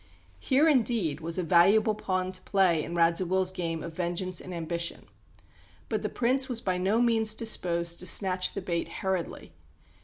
Here indeed was a valuable pawn to play in Radziwill's game of vengeance and ambition. But the Prince was by no means disposed to snatch the bait hurriedly.